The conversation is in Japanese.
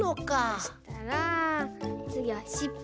そしたらつぎはしっぽ。